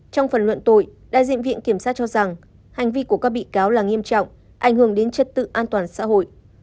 trong phần luận tội đại diện viện kiểm sát cho rằng hành vi của các bị cáo là nghiêm trọng ảnh hưởng đến chất tự an toàn xã hội